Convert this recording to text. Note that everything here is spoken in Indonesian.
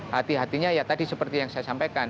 hati hatinya ya tadi seperti yang saya sampaikan